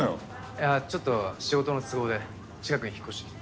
いやちょっと仕事の都合で近くに引っ越してきて。